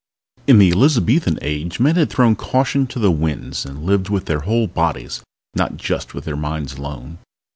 In the Elizabethan Age men had thrown caution to the winds and lived with their whole bodies, not just with their minds alone.